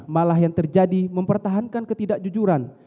malah yang terjadi mempertahankan ketidakjujuran